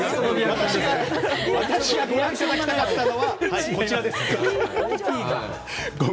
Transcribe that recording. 私がご覧いただきたいのはこちらです。